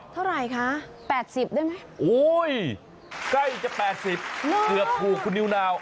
เท่าไหร่คะ๘๐ได้ไหมโอ้ยใกล้จะ๘๐เกือบถูกคุณนิวนาว